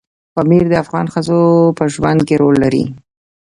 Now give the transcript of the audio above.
پامیر د افغان ښځو په ژوند کې رول لري.